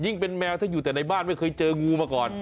เป็นแมวถ้าอยู่แต่ในบ้านไม่เคยเจองูมาก่อน